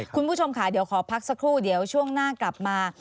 คุณผู้ชมค่ะเดี๋ยวขอพักสักครู่เดี๋ยวช่วงหน้ากลับมา